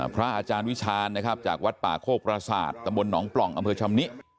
พระอาจารย์วิชาญจากวัดป่าโครปราศาสตร์ตมหนองปล่องอำเภอช่องนิ